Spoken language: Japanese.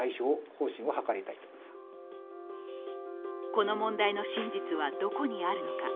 この問題の真実はどこにあるのか。